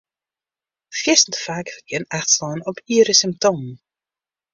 Fierstente faak wurdt gjin acht slein op iere symptomen.